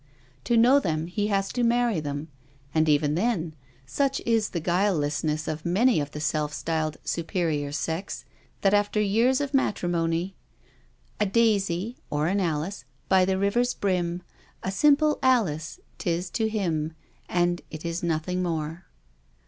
To know them he has to marry them, and even then, such is the guilelessness of many of the self styled superior sex, that after years of matrimony :" A daisy (or an Alice) by the river's brim, A simple Alice 'tis to him, And it is nothing more."